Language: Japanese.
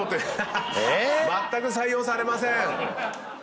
まったく採用されません。